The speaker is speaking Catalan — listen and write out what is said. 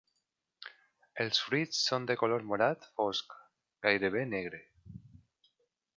El fruits són de color morat fosc, gairebé negre.